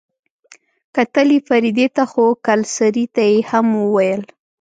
کتل يې فريدې ته خو کلسري ته يې هم وويل.